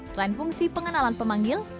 selain fungsi pengenalan pemanggil